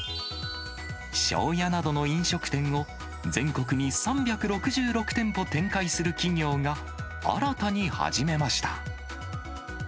庄やなどの飲食店を、全国に３６６店舗展開する企業が新たに始めました。